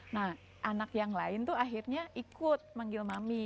nah anak yang lain tuh akhirnya ikut manggil mami